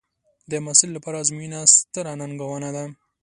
د محصل لپاره ازموینه ستره ننګونه ده.